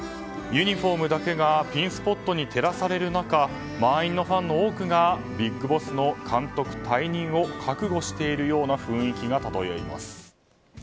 ユニホームだけがピンスポットに照らされる中満員のファンの多くがＢＩＧＢＯＳＳの監督解任の覚悟しているような雰囲気が漂います。